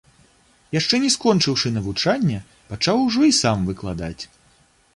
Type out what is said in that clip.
Яшчэ не скончыўшы навучанне, пачаў ужо і сам выкладаць.